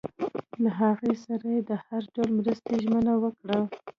له هغوی سره یې د هر ډول مرستې ژمنه وکړه.